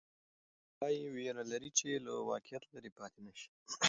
ثانیه وايي، وېره لري چې له واقعیت لیرې پاتې نه شي.